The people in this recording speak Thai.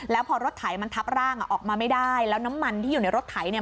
แล้วพอรถไถมันทับร่างอ่ะออกมาไม่ได้แล้วน้ำมันที่อยู่ในรถไถเนี่ย